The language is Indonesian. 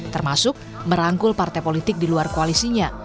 termasuk merangkul partai politik di luar koalisinya